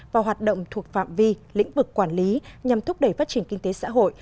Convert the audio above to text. và hoạt động thuộc phạm vi lĩnh vực quản lý nhằm thúc đẩy phát triển kinh tế xã hội